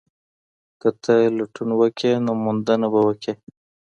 که ته لټون وکړې نو موندنه به وکړې.